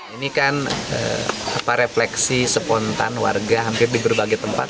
ini kan refleksi spontan warga hampir di berbagai tempat